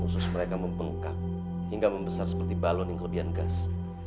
usus mereka membengkak hingga membesar seperti balon yang kelebihan gas